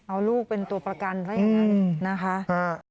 เอาลูกเป็นตัวประกันซะอย่างนั้นนะคะ